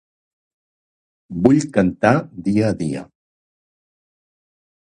Vull cantar dia a dia.